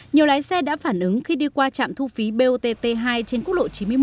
nhiều lái xe đã phản ứng khi đi qua trạm thu phí bot t hai trên quốc lộ chín mươi một